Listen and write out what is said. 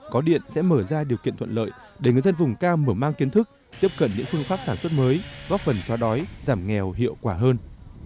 có điện sẽ mở ra điều kiện thuận lợi để người dân vùng cao mở mang kiến thức tiếp cận những phương pháp sản xuất mới góp phần xóa đói giảm nghèo hiệu quả hơn